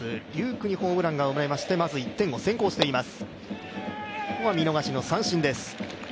空にホームランが生まれまして１点を先制しています。